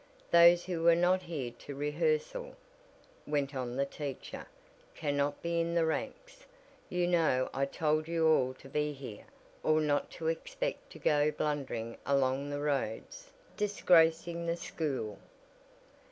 "Those who were not here to rehearsal," went on the teacher, "cannot be in the ranks. You know I told you all to be here, or not to expect to go blundering along the roads, disgracing the school.